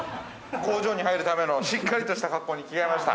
工場に入るためのしっかりとした格好に着替えました。